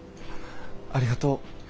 ありがとう。